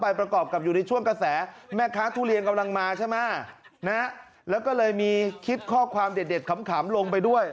ประกอบกับอยู่ในช่วงกระแสแม่ค้าทุเรียนกำลังมาใช่ไหมนะแล้วก็เลยมีคลิปข้อความเด็ดขำลงไปด้วย